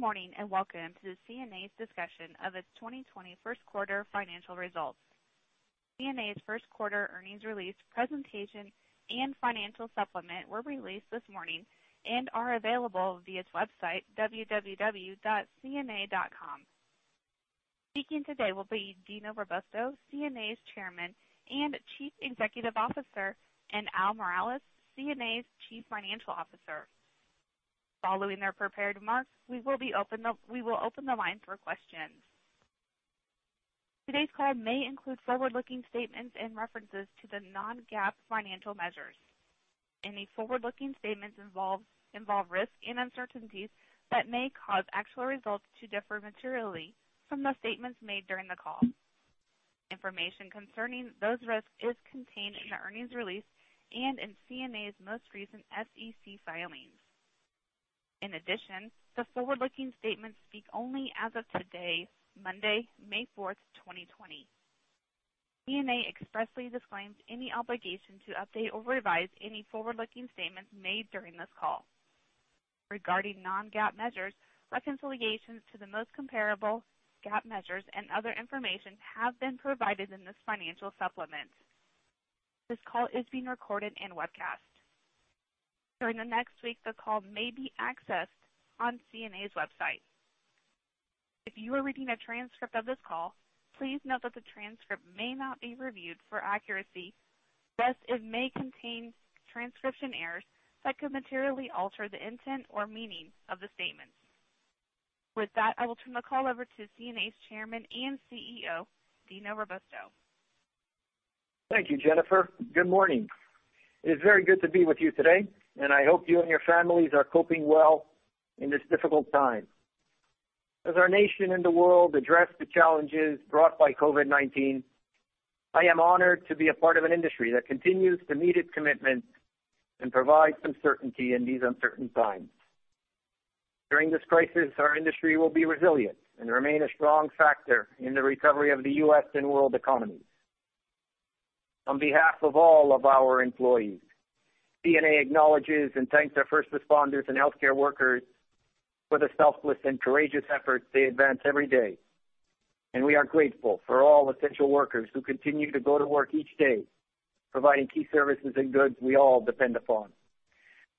Morning, welcome to the CNA's discussion of its 2020 First Quarter Financial Results. CNA's first quarter earnings release presentation and financial supplement were released this morning and are available via its website www.cna.com. Speaking today will be Dino Robusto, CNA's Chairman and Chief Executive Officer, and Al Miralles, CNA's Chief Financial Officer. Following their prepared remarks, we will open the line for questions. Today's call may include forward-looking statements and references to the non-GAAP financial measures. Any forward-looking statements involve risk and uncertainties that may cause actual results to differ materially from the statements made during the call. Information concerning those risks is contained in the earnings release and in CNA's most recent SEC filings. In addition, the forward-looking statements speak only as of today, Monday, May 4th, 2020. CNA expressly disclaims any obligation to update or revise any forward-looking statements made during this call. Regarding non-GAAP measures, reconciliations to the most comparable GAAP measures and other information have been provided in this financial supplement. This call is being recorded and webcast. During the next week, the call may be accessed on CNA's website. If you are reading a transcript of this call, please note that the transcript may not be reviewed for accuracy, thus it may contain transcription errors that could materially alter the intent or meaning of the statements. With that, I will turn the call over to CNA's Chairman and CEO, Dino Robusto. Thank you, Jennifer. Good morning. It is very good to be with you today, and I hope you and your families are coping well in this difficult time. As our nation and the world address the challenges brought by COVID-19, I am honored to be a part of an industry that continues to meet its commitments and provide some certainty in these uncertain times. During this crisis, our industry will be resilient and remain a strong factor in the recovery of the U.S. and world economies. On behalf of all of our employees, CNA acknowledges and thanks our first responders and healthcare workers for the selfless and courageous efforts they advance every day, and we are grateful for all essential workers who continue to go to work each day providing key services and goods we all depend upon.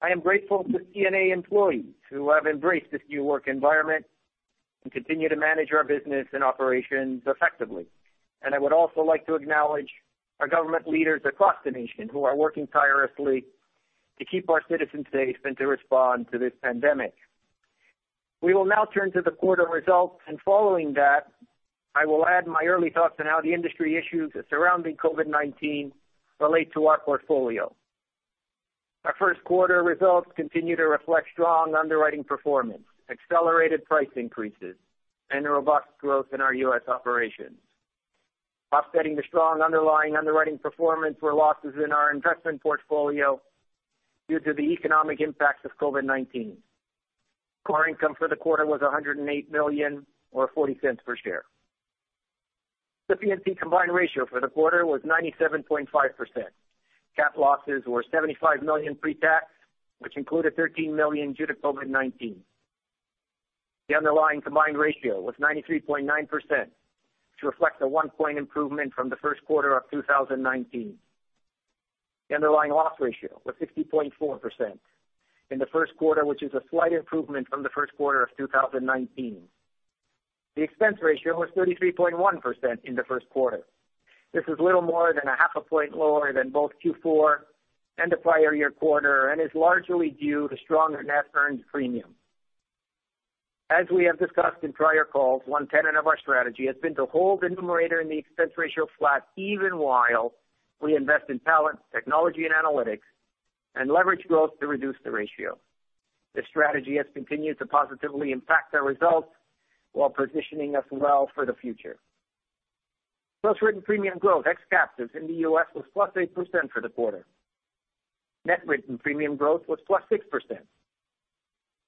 I am grateful to CNA employees who have embraced this new work environment and continue to manage our business and operations effectively. I would also like to acknowledge our government leaders across the nation who are working tirelessly to keep our citizens safe and to respond to this pandemic. We will now turn to the quarter results, and following that, I will add my early thoughts on how the industry issues surrounding COVID-19 relate to our portfolio. Our first quarter results continue to reflect strong underwriting performance, accelerated price increases, and a robust growth in our U.S. operations. Offsetting the strong underlying underwriting performance were losses in our investment portfolio due to the economic impacts of COVID-19. Core income for the quarter was $108 million or $0.40 per share. The P&C combined ratio for the quarter was 97.5%. Cat losses were $75 million pre-tax, which included $13 million due to COVID-19. The underlying combined ratio was 93.9%, which reflects a one-point improvement from the first quarter of 2019. The underlying loss ratio was 60.4% in the first quarter, which is a slight improvement from the first quarter of 2019. The expense ratio was 33.1% in the first quarter. This is little more than a half a point lower than both Q4 and the prior year quarter and is largely due to stronger net earned premium. As we have discussed in prior calls, one tenet of our strategy has been to hold the numerator in the expense ratio flat, even while we invest in talent, technology, and analytics, and leverage growth to reduce the ratio. This strategy has continued to positively impact our results while positioning us well for the future. Gross written premium growth ex captives in the U.S. was +8% for the quarter. Net written premium growth was +6%.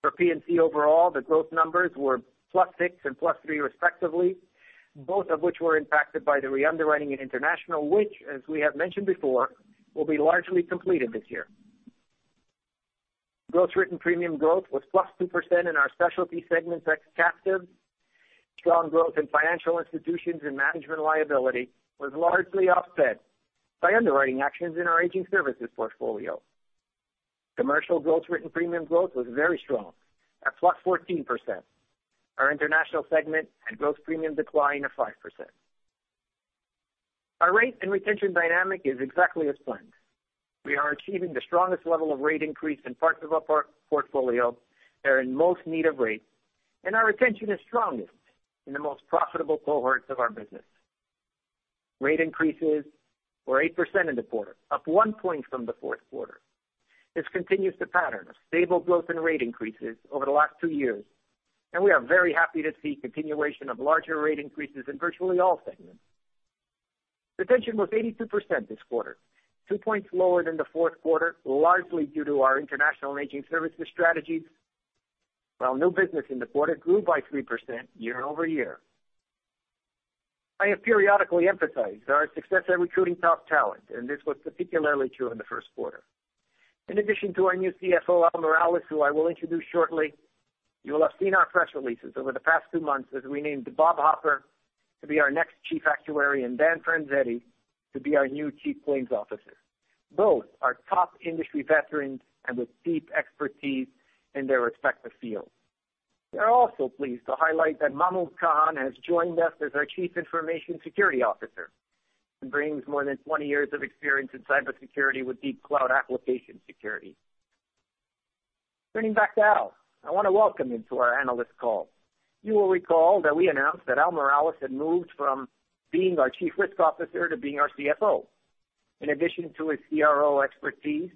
For P&C overall, the growth numbers were +6% and +3% respectively, both of which were impacted by the re-underwriting in international, which as we have mentioned before, will be largely completed this year. Gross written premium growth was +2% in our specialty segments, ex captive. Strong growth in financial institutions and management liability was largely offset by underwriting actions in our aging services portfolio. Commercial gross written premium growth was very strong at +14%. Our international segment had gross premium decline of -5%. Our rate and retention dynamic is exactly as planned. We are achieving the strongest level of rate increase in parts of our portfolio that are in most need of rate, and our retention is strongest in the most profitable cohorts of our business. Rate increases were 8% in the quarter, up one point from the fourth quarter. This continues the pattern of stable growth and rate increases over the last two years, and we are very happy to see continuation of larger rate increases in virtually all segments. Retention was 82% this quarter, two points lower than the fourth quarter, largely due to our international and aging services strategies. While new business in the quarter grew by 3% year-over-year. I have periodically emphasized our success at recruiting top talent, and this was particularly true in the first quarter. In addition to our new CFO, Al Miralles, who I will introduce shortly, you will have seen our press releases over the past two months as we named Robert Hopper to be our next Chief Actuary and Daniel Franzetti to be our new Chief Claims Officer. Both are top industry veterans and with deep expertise in their respective fields. We are also pleased to highlight that Mahmood Khan has joined us as our Chief Information Security Officer and brings more than 20 years of experience in cybersecurity with deep cloud application security. Turning back to Al, I want to welcome him to our analyst call. You will recall that we announced that Al Miralles had moved from being our Chief Risk Officer to being our CFO. In addition to his CRO expertise,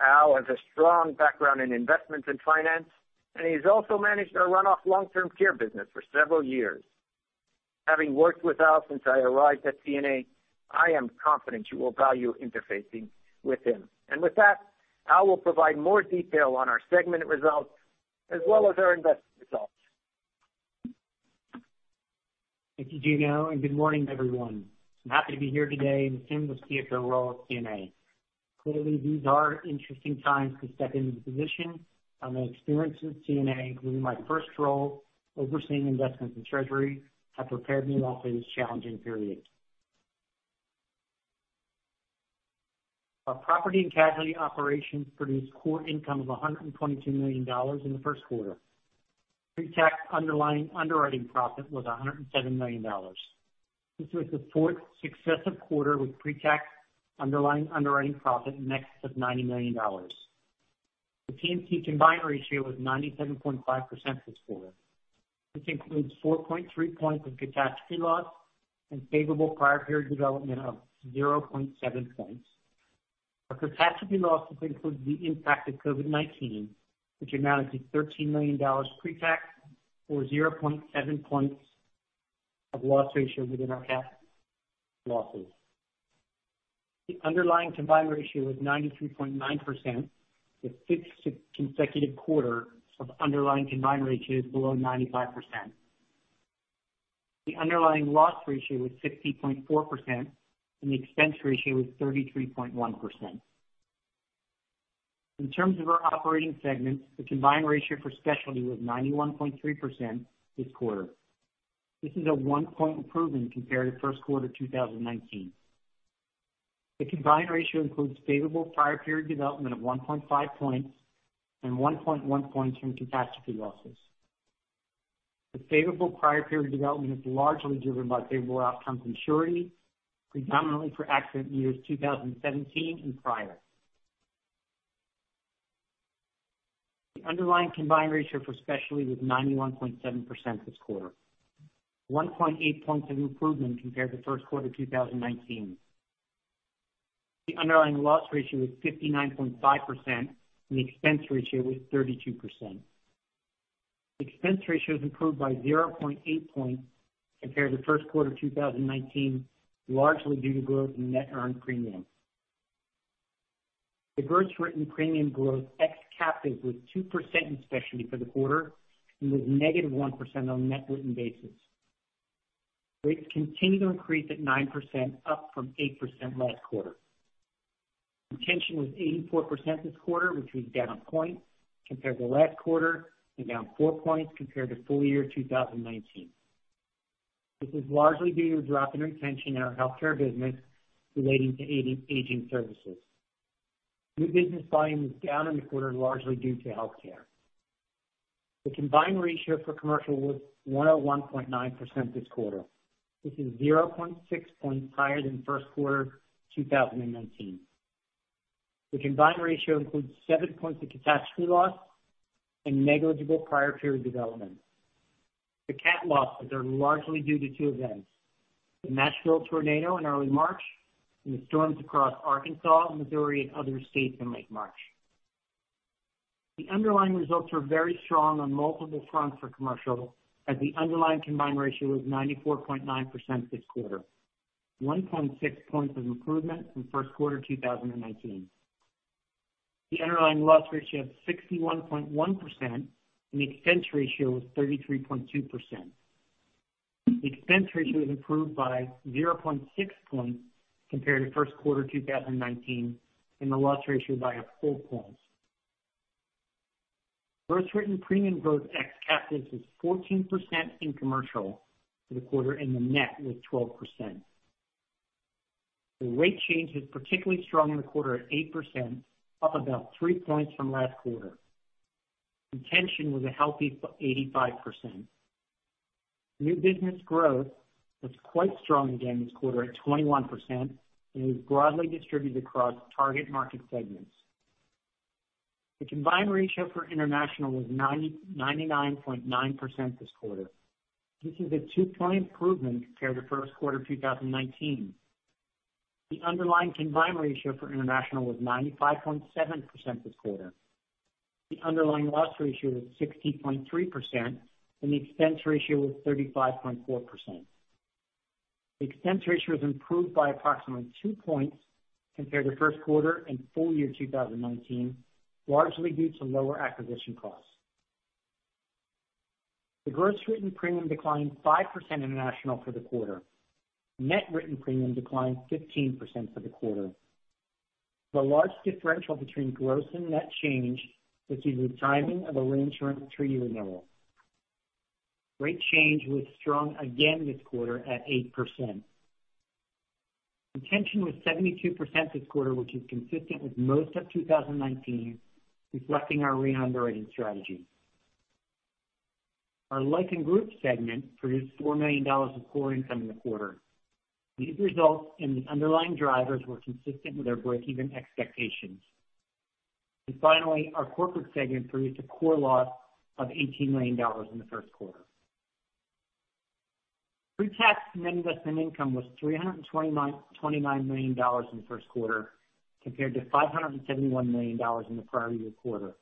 Al has a strong background in investment and finance, and he has also managed our runoff long-term care business for several years. Having worked with Al since I arrived at CNA, I am confident you will value interfacing with him. With that, Al will provide more detail on our segmented results as well as our investment results. Thank you, Dino. Good morning, everyone. I'm happy to be here today assuming the CFO role at CNA. Clearly, these are interesting times to step into the position. My experience with CNA, including my first role overseeing investments in treasury, have prepared me well for this challenging period. Our property and casualty operations produced core income of $122 million in the first quarter. Pre-tax underlying underwriting profit was $107 million. This was the fourth successive quarter with pre-tax underlying underwriting profit in excess of $90 million. The P&C combined ratio was 97.5% this quarter. This includes 4.3 points of catastrophe loss and favorable prior period development of 0.7 points. Our catastrophe losses include the impact of COVID-19, which amounted to $13 million pre-tax, or 0.7 points of loss ratio within our cat losses. The underlying combined ratio was 93.9%, the fifth consecutive quarter of underlying combined ratios below 95%. The underlying loss ratio was 60.4%, and the expense ratio was 33.1%. In terms of our operating segments, the combined ratio for specialty was 91.3% this quarter. This is a one-point improvement compared to first quarter 2019. The combined ratio includes favorable prior period development of 1.5 points and 1.1 points from catastrophe losses. The favorable prior period development is largely driven by favorable outcomes in surety, predominantly for accident years 2017 and prior. The underlying combined ratio for specialty was 91.7% this quarter, 1.8 points of improvement compared to first quarter 2019. The underlying loss ratio was 59.5%, and the expense ratio was 32%. Expense ratio has improved by 0.8 points compared to first quarter 2019, largely due to growth in net earned premium. The gross written premium growth ex captive was 2% in specialty for the quarter and was negative 1% on a net written basis. Rates continued to increase at 9%, up from 8% last quarter. Retention was 84% this quarter, which was down a point compared to last quarter and down four points compared to full year 2019. This is largely due to a drop in retention in our healthcare business relating to aging services. New business volume was down in the quarter, largely due to healthcare. The combined ratio for commercial was 101.9% this quarter. This is 0.6 points higher than first quarter 2019. The combined ratio includes seven points of catastrophe loss and negligible prior period development. The cat losses are largely due to two events, the Nashville tornado in early March, and the storms across Arkansas, Missouri, and other states in late March. The underlying results were very strong on multiple fronts for commercial, as the underlying combined ratio was 94.9% this quarter, 1.6 points of improvement from first quarter 2019. The underlying loss ratio was 61.1%, and the expense ratio was 33.2%. Expense ratio has improved by 0.6 points compared to first quarter 2019, and the loss ratio by a full point. Gross written premium gross ex captives was 14% in commercial for the quarter, and the net was 12%. The rate change was particularly strong in the quarter at 8%, up about three points from last quarter. Retention was a healthy 85%. New business growth was quite strong again this quarter at 21%, and it was broadly distributed across target market segments. The combined ratio for international was 99.9% this quarter. This is a two-point improvement compared to first quarter 2019. The underlying combined ratio for international was 95.7% this quarter. The underlying loss ratio was 60.3%, and the expense ratio was 35.4%. Expense ratio has improved by approximately two points compared to first quarter and full year 2019, largely due to lower acquisition costs. The gross written premium declined 5% international for the quarter. Net written premium declined 15% for the quarter. The large differential between gross and net change was due to timing of a reinsurance treaty renewal. Rate change was strong again this quarter at 8%. Retention was 72% this quarter, which is consistent with most of 2019, reflecting our re-underwriting strategy. Our Life & Group segment produced $4 million of core income in the quarter. These results and the underlying drivers were consistent with our breakeven expectations. Finally, our Corporate segment produced a core loss of $18 million in the first quarter. Pre-tax net investment income was $329 million in the first quarter, compared to $571 million in the prior year quarter.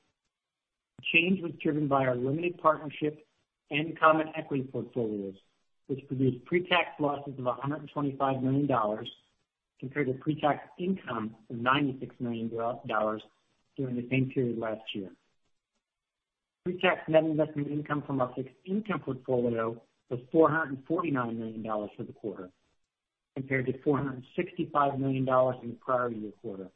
The change was driven by our limited partnership and common equity portfolios, which produced pre-tax losses of $125 million, compared to pre-tax income of $96 million during the same period last year. Pre-tax net investment income from our fixed income portfolio was $449 million for the quarter, compared to $465 million in the prior year quarter.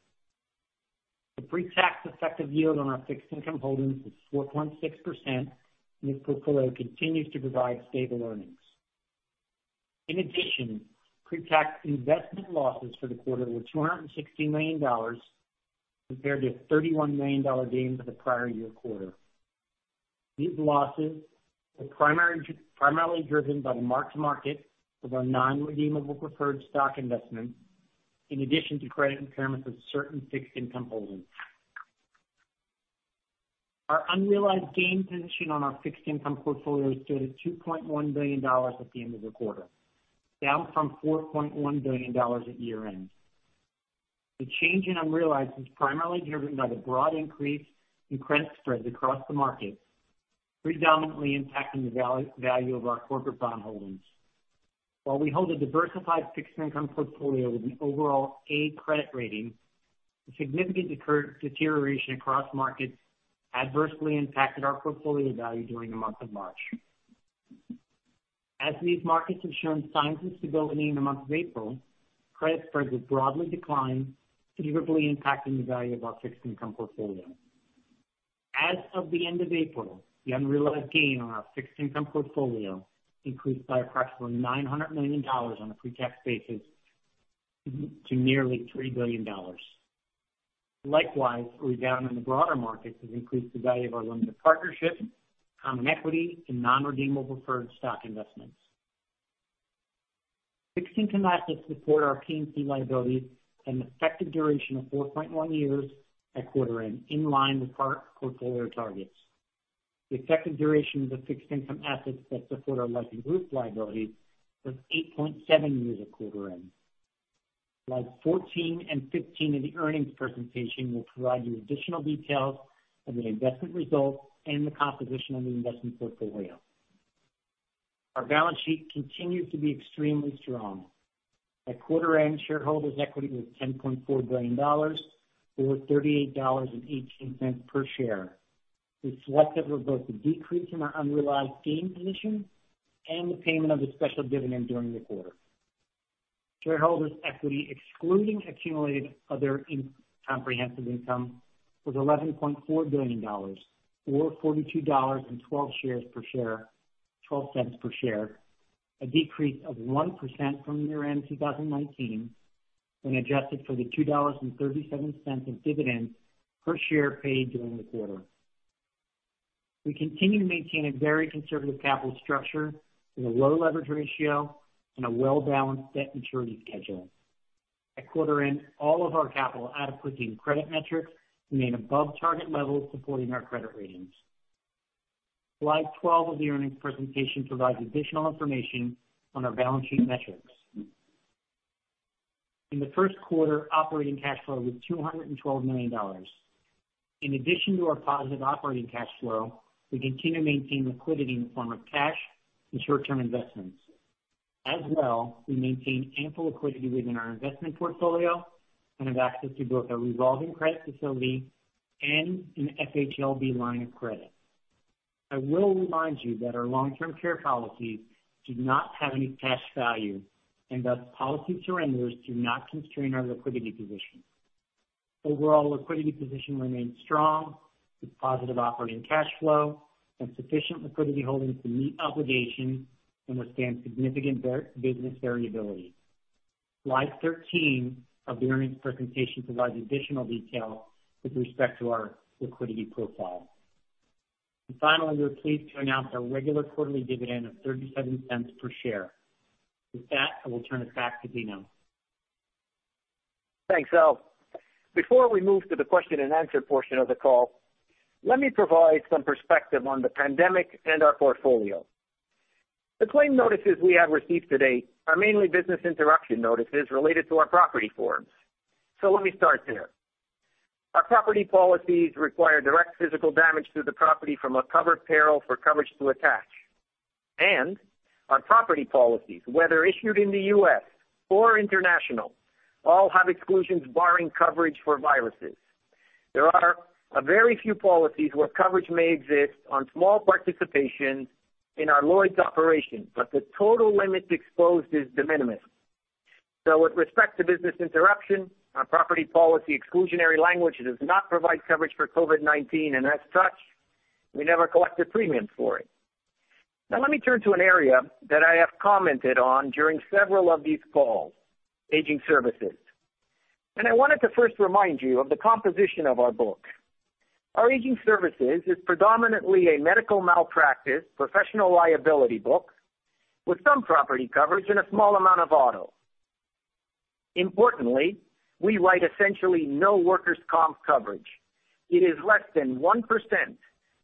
The pre-tax effective yield on our fixed income holdings was 4.6%, and this portfolio continues to provide stable earnings. In addition, pre-tax investment losses for the quarter were $260 million, compared to a $31 million gain for the prior year quarter. These losses were primarily driven by the mark-to-market of our non-redeemable preferred stock investment, in addition to credit impairments of certain fixed income holdings. Our unrealized gain position on our fixed income portfolio stood at $2.1 billion at the end of the quarter, down from $4.1 billion at year-end. The change in unrealized was primarily driven by the broad increase in credit spreads across the market, predominantly impacting the value of our corporate bond holdings. While we hold a diversified fixed income portfolio with an overall A credit rating, the significant deterioration across markets adversely impacted our portfolio value during the month of March. As these markets have shown signs of stability in the month of April, credit spreads have broadly declined, significantly impacting the value of our fixed income portfolio. As of the end of April, the unrealized gain on our fixed income portfolio increased by approximately $900 million on a pre-tax basis to nearly $3 billion. Likewise, the rebound in the broader markets has increased the value of our limited partnership, common equity, and non-redeemable preferred stock investments. Fixed income assets support our P&C liabilities and effective duration of 4.1 years at quarter end, in line with portfolio targets. The effective duration of the fixed income assets that support our Life & Group liabilities was 8.7 years at quarter end. Slides 14 and 15 of the earnings presentation will provide you additional details of the investment results and the composition of the investment portfolio. Our balance sheet continues to be extremely strong. At quarter end, shareholders' equity was $10.4 billion, or $38.18 per share. This reflects both the decrease in our unrealized gain position and the payment of the special dividend during the quarter. Shareholders' equity excluding accumulated other comprehensive income was $11.4 billion, or $42.12 per share, a decrease of 1% from year-end 2019 and adjusted for the $2.37 of dividends per share paid during the quarter. We continue to maintain a very conservative capital structure with a low leverage ratio and a well-balanced debt maturity schedule. At quarter end, all of our capital adequacy and credit metrics remain above target levels supporting our credit ratings. Slide 12 of the earnings presentation provides additional information on our balance sheet metrics. In the first quarter, operating cash flow was $212 million. In addition to our positive operating cash flow, we continue to maintain liquidity in the form of cash and short-term investments. We maintain ample liquidity within our investment portfolio and have access to both a revolving credit facility and an FHLB line of credit. I will remind you that our long-term care policies do not have any cash value, and thus, policy surrenders do not constrain our liquidity position. Overall liquidity position remains strong with positive operating cash flow and sufficient liquidity holdings to meet obligations and withstand significant business variability. Slide 13 of the earnings presentation provides additional detail with respect to our liquidity profile. Finally, we are pleased to announce our regular quarterly dividend of $0.37 per share. With that, I will turn it back to Dino. Thanks, Al. Before we move to the question and answer portion of the call, let me provide some perspective on the pandemic and our portfolio. The claim notices we have received to date are mainly business interruption notices related to our property forms. Let me start there. Our property policies require direct physical damage to the property from a covered peril for coverage to attach. Our property policies, whether issued in the U.S. or international, all have exclusions barring coverage for viruses. There are a very few policies where coverage may exist on small participation in our Lloyd's operation, the total limits exposed is de minimis. With respect to business interruption, our property policy exclusionary language does not provide coverage for COVID-19, and as such, we never collected premiums for it. Let me turn to an area that I have commented on during several of these calls, aging services. I wanted to first remind you of the composition of our book. Our aging services is predominantly a medical malpractice professional liability book with some property coverage and a small amount of auto. Importantly, we write essentially no workers' comp coverage. It is less than 1%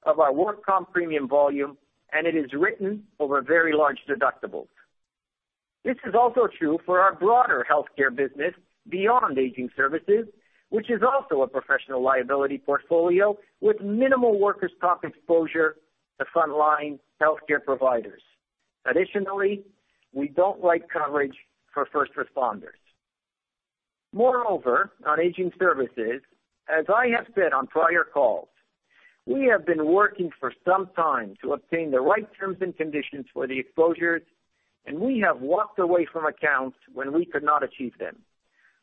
of our work comp premium volume, and it is written over very large deductibles. This is also true for our broader healthcare business beyond aging services, which is also a professional liability portfolio with minimal workers' comp exposure to frontline healthcare providers. Additionally, we don't write coverage for first responders. Moreover, on aging services, as I have said on prior calls, we have been working for some time to obtain the right terms and conditions for the exposures, and we have walked away from accounts when we could not achieve them.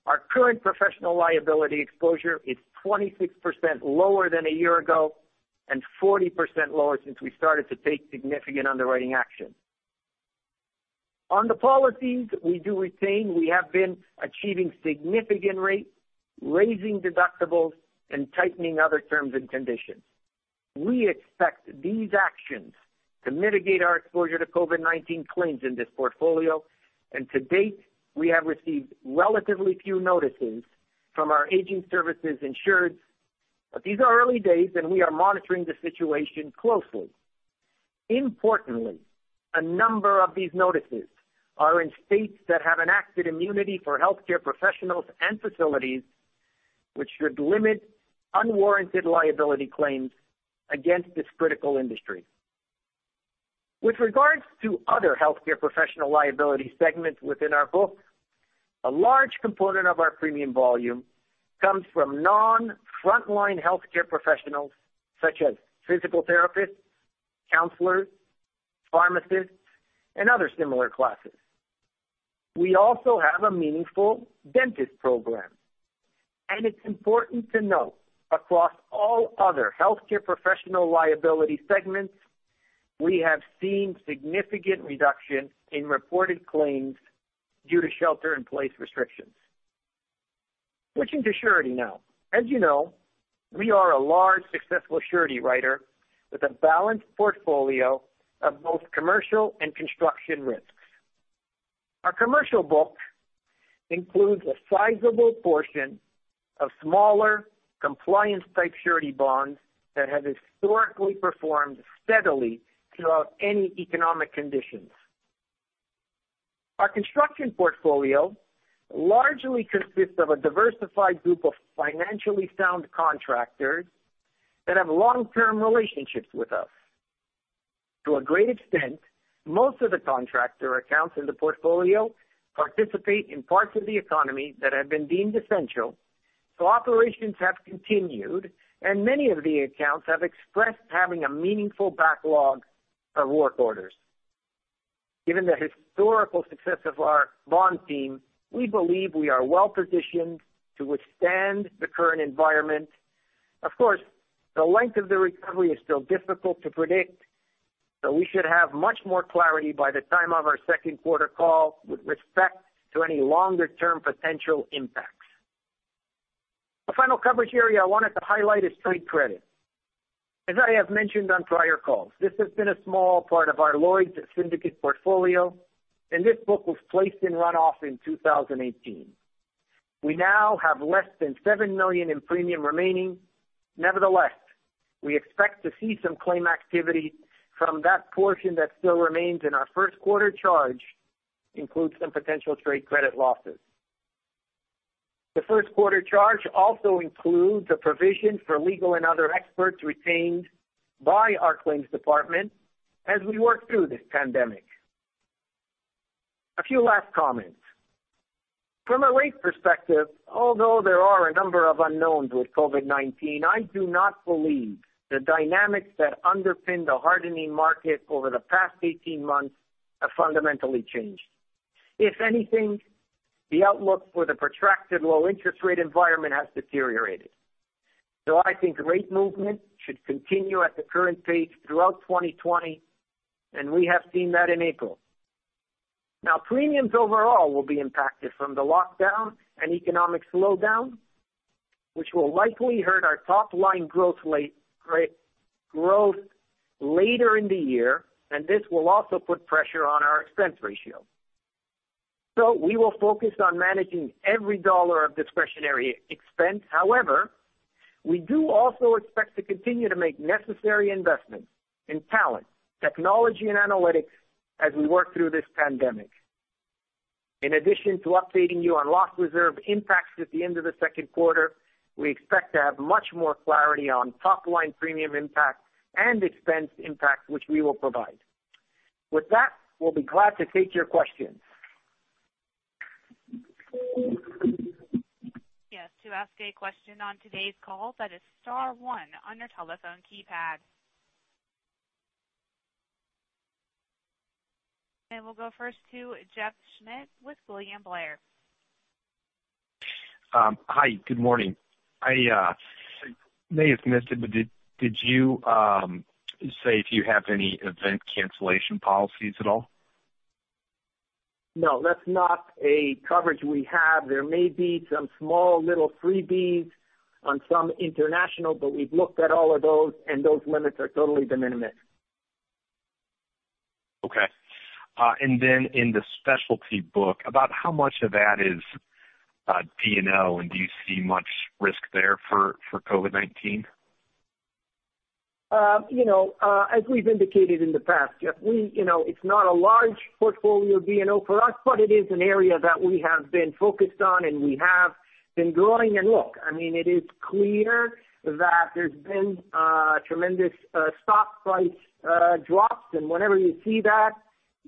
Our current professional liability exposure is 26% lower than a year ago and 40% lower since we started to take significant underwriting action. On the policies we do retain, we have been achieving significant rate raising deductibles and tightening other terms and conditions. We expect these actions to mitigate our exposure to COVID-19 claims in this portfolio, and to date, we have received relatively few notices from our aging services insureds, but these are early days, and we are monitoring the situation closely. Importantly, a number of these notices are in states that have enacted immunity for healthcare professionals and facilities, which should limit unwarranted liability claims against this critical industry. With regards to other healthcare professional liability segments within our book, a large component of our premium volume comes from non-frontline healthcare professionals such as physical therapists, counselors, pharmacists, and other similar classes. We also have a meaningful dentist program, and it's important to note across all other healthcare professional liability segments, we have seen significant reduction in reported claims due to shelter-in-place restrictions. Switching to surety now. As you know, we are a large, successful surety writer with a balanced portfolio of both commercial and construction risks. Our commercial book includes a sizable portion of smaller compliance-type surety bonds that have historically performed steadily throughout any economic conditions. Our construction portfolio largely consists of a diversified group of financially sound contractors that have long-term relationships with us. To a great extent, most of the contractor accounts in the portfolio participate in parts of the economy that have been deemed essential, so operations have continued, and many of the accounts have expressed having a meaningful backlog of work orders. Given the historical success of our bond team, we believe we are well-positioned to withstand the current environment. Of course, the length of the recovery is still difficult to predict, so we should have much more clarity by the time of our second quarter call with respect to any longer-term potential impacts. The final coverage area I wanted to highlight is trade credit. As I have mentioned on prior calls, this has been a small part of the Lloyd's syndicate portfolio, and this book was placed in runoff in 2018. We now have less than $7 million in premium remaining. Nevertheless, we expect to see some claim activity from that portion that still remains in our first quarter charge includes some potential trade credit losses. The first quarter charge also includes a provision for legal and other experts retained by our claims department as we work through this pandemic. A few last comments. From a rate perspective, although there are a number of unknowns with COVID-19, I do not believe the dynamics that underpin the hardening market over the past 18 months have fundamentally changed. If anything, the outlook for the protracted low interest rate environment has deteriorated. I think rate movement should continue at the current pace throughout 2020, and we have seen that in April. Premiums overall will be impacted from the lockdown and economic slowdown, which will likely hurt our top-line growth later in the year, and this will also put pressure on our expense ratio. We will focus on managing every dollar of discretionary expense. However, we do also expect to continue to make necessary investments in talent, technology, and analytics as we work through this pandemic. In addition to updating you on loss reserve impacts at the end of the second quarter, we expect to have much more clarity on top-line premium impact and expense impact, which we will provide. With that, we'll be glad to take your questions. Yes, to ask a question on today's call, that is star one on your telephone keypad. We'll go first to Jeff Schmitt with William Blair. Hi, good morning. I may have missed it, but did you say if you have any event cancellation policies at all? No, that's not a coverage we have. There may be some small little freebies on some international, but we've looked at all of those, and those limits are totally de minimis. Okay. In the specialty book, about how much of that is D&O, and do you see much risk there for COVID-19? As we've indicated in the past, Jeff, it's not a large portfolio of D&O for us, but it is an area that we have been focused on, and we have been growing. Look, it is clear that there's been tremendous stock price drops, and whenever you see that,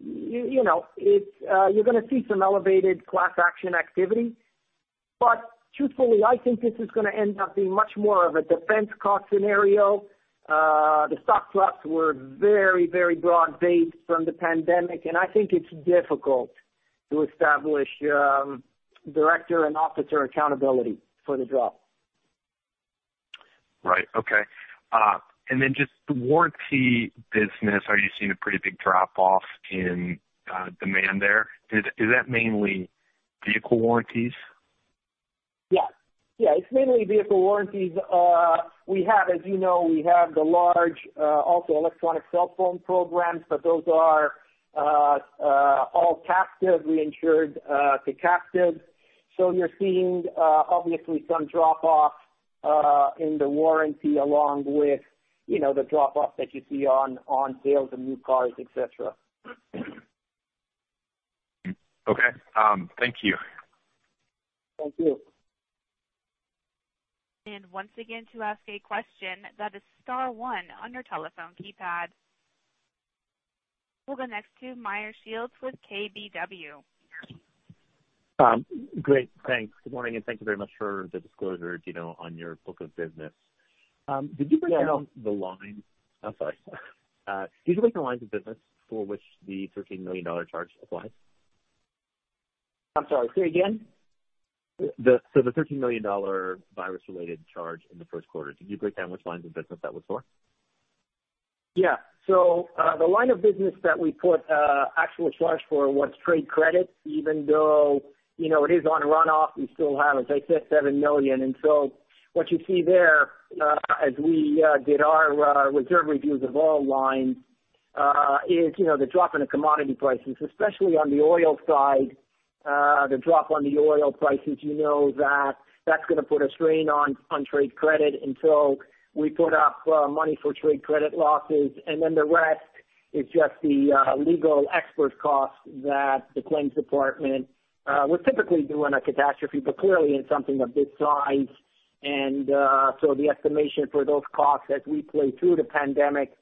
you're going to see some elevated class action activity. Truthfully, I think this is going to end up being much more of a defense cost scenario. The stock drops were very broad-based from the pandemic, and I think it's difficult to establish director and officer accountability for the drop. Right. Okay. Just the warranty business, are you seeing a pretty big drop-off in demand there? Is that mainly vehicle warranties? Yes. It's mainly vehicle warranties. As you know, we have the large also electronic cell phone programs, but those are all captive. We insured to captive. You're seeing obviously some drop-off in the warranty along with the drop-off that you see on sales of new cars, et cetera. Okay. Thank you. Thank you. We'll go next to Meyer Shields with KBW. Great. Thanks. Good morning. Thank you very much for the disclosure, Dino, on your book of business. Yeah. I'm sorry. Did you break the lines of business for which the $13 million charge applies? I'm sorry, say again? The $13 million virus-related charge in the first quarter, did you break down which lines of business that was for? Yeah. The line of business that we put actual charge for was trade credit. Even though it is on a runoff, we still have, as I said, $7 million. What you see there, as we did our reserve reviews of all lines, is the drop in the commodity prices, especially on the oil side, the drop on the oil prices, you know that that's going to put a strain on trade credit. We put up money for trade credit losses, and then the rest is just the legal expert costs that the claims department would typically do in a catastrophe, but clearly in something of this size. The estimation for those costs as we play through the pandemic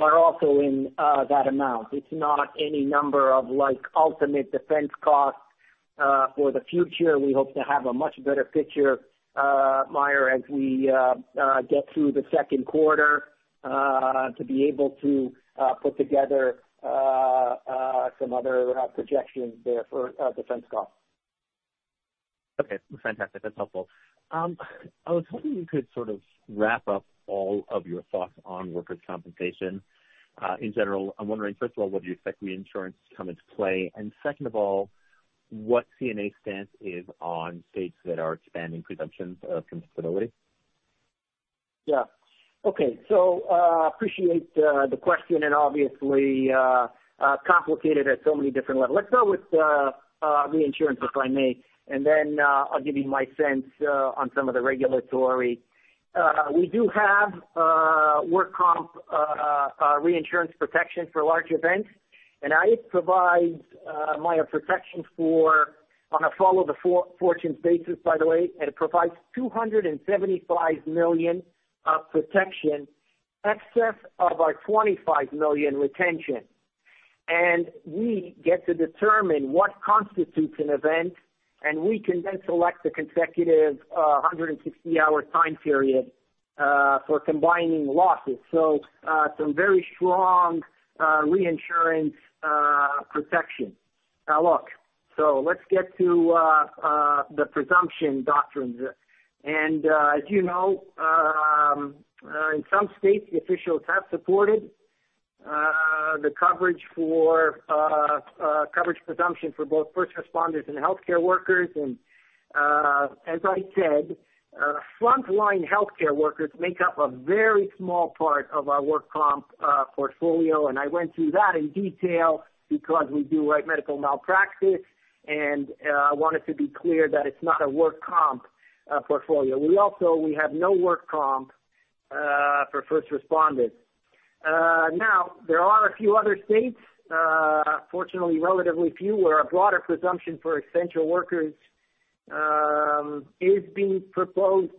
are also in that amount. It's not any number of ultimate defense costs for the future. We hope to have a much better picture, Meyer, as we get through the second quarter to be able to put together some other projections there for defense costs. Okay, fantastic. That's helpful. I was hoping you could sort of wrap up all of your thoughts on workers' compensation. In general, I'm wondering, first of all, whether you expect reinsurance to come into play, and second of all, what CNA's stance is on states that are expanding presumptions of compensability. Yeah. Okay. Appreciate the question, and obviously complicated at so many different levels. Let's start with reinsurance, if I may, and then I'll give you my sense on some of the regulatory. We do have work comp reinsurance protection for large events, and it provides, Meyer, protection for on a follow the fortunes basis, by the way, and it provides $275 million of protection excess of our $25 million retention. We get to determine what constitutes an event, and we can then select the consecutive 160-hour time period for combining losses. Some very strong reinsurance protection. Now look, so let's get to the presumption doctrines. As you know, in some states, the officials have supported the coverage presumption for both first responders and healthcare workers. As I said, frontline healthcare workers make up a very small part of our work comp portfolio, and I went through that in detail because we do write medical malpractice, and I wanted to be clear that it's not a work comp portfolio. We also have no work comp for first responders. There are a few other states, fortunately, relatively few, where a broader presumption for essential workers is being proposed.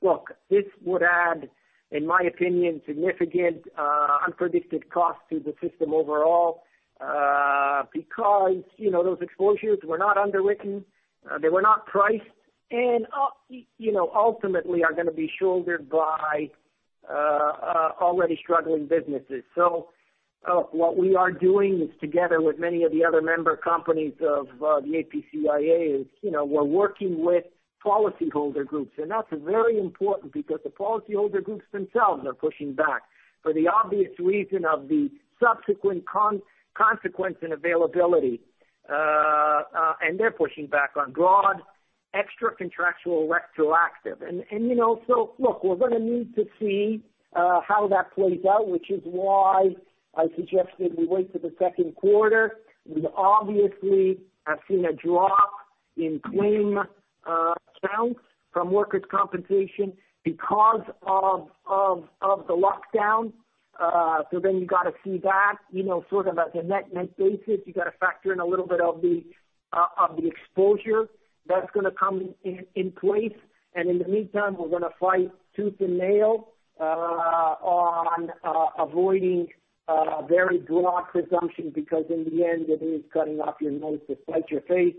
Look, this would add, in my opinion, significant unpredicted costs to the system overall, because those exposures were not underwritten, they were not priced, and ultimately are going to be shouldered by already struggling businesses. What we are doing is, together with many of the other member companies of the APCIA, is we're working with policyholder groups, and that's very important because the policyholder groups themselves are pushing back for the obvious reason of the subsequent consequence in availability. They're pushing back on broad, extra-contractual, retroactive. Look, we're going to need to see how that plays out, which is why I suggested we wait till the second quarter. We obviously have seen a drop in claim counts from workers' compensation because of the lockdown. Then you got to see that, sort of at the net-net basis. You got to factor in a little bit of the exposure that's going to come in place. In the meantime, we're going to fight tooth and nail on avoiding very broad presumptions, because in the end, it is cutting off your nose to spite your face.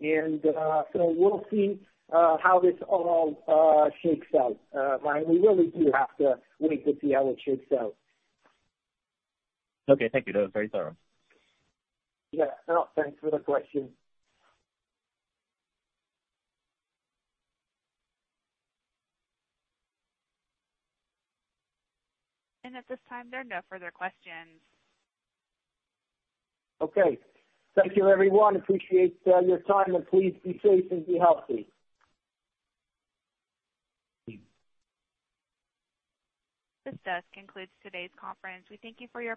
We'll see how this all shakes out. Meyer, we really do have to wait to see how it shakes out. Okay, thank you. That was very thorough. Yeah. No, thanks for the question. At this time, there are no further questions. Okay. Thank you, everyone. Appreciate your time, and please be safe and be healthy. This does conclude today's conference. We thank you for your participation.